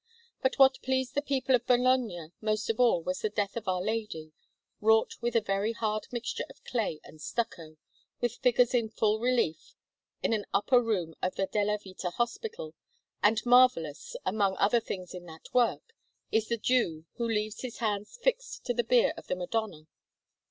But what pleased the people of Bologna most of all was the Death of Our Lady, wrought with a very hard mixture of clay and stucco, with figures in full relief, in an upper room of the Della Vita Hospital; and marvellous, among other things in that work, is the Jew who leaves his hands fixed to the bier of the Madonna.